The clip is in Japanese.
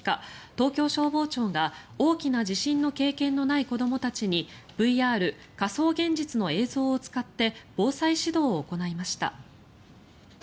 東京消防庁が大きな地震の経験のない子どもたちにＶＲ・仮想現実の映像を使って防災指導を行いました。